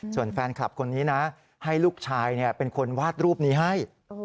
ส่วนแฟนคลับคนนี้นะให้ลูกชายเป็นคนวาดรูปนี้ให้